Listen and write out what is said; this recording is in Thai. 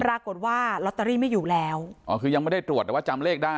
ปรากฏว่าลอตเตอรี่ไม่อยู่แล้วอ๋อคือยังไม่ได้ตรวจแต่ว่าจำเลขได้